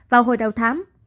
vào hồi đầu thám